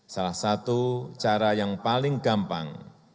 salah satu cara yang paling gampang